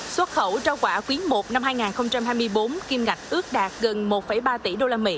xuất khẩu rau quả quý một năm hai nghìn hai mươi bốn kiêm ngạc ước đạt gần một ba tỷ usd